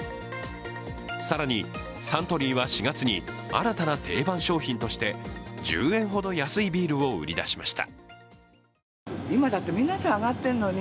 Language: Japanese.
更にサントリーは４月に新たな定番商品として、１０円ほど安いビールを売り出しました。